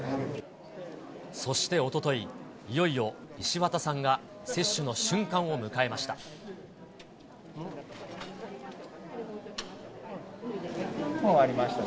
そしておととい、いよいよ石渡さんが接種の瞬間を迎えました。